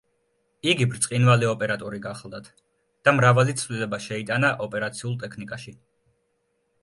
იგი ბრწყინვალე ოპერატორი გახლდათ და მრავალი ცვლილება შეიტანა ოპერაციულ ტექნიკაში.